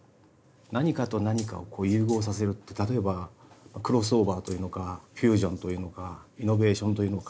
何かと何かをこう融合させるって例えばクロスオーバーというのかフュージョンというのかイノベーションというのか。